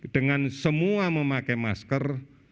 dengan semua memakai masker